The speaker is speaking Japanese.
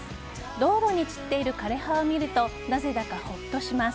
道路に散っている枯れ葉を見るとなぜだかほっとします。